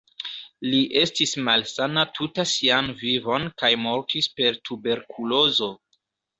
Li estis malsana tuta sian vivon kaj mortis per tuberkulozo.